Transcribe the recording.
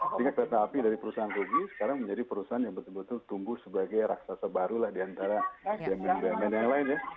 sehingga kereta api dari perusahaan rugi sekarang menjadi perusahaan yang betul betul tumbuh sebagai raksasa baru lah diantara bumn yang lain ya